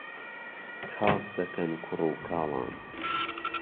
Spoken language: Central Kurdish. کاس دەکەن کوڕ و کاڵان